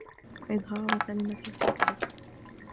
وَإِظْهَارُ كَلِمَةِ الْحَقِّ